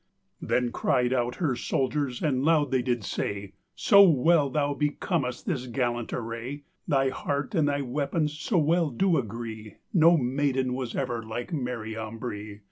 Then cryed out her souldiers, and loude they did say, "Soe well thou becomest this gallant array, Thy harte and thy weapons so well do agree, No mayden was ever like Mary Ambree."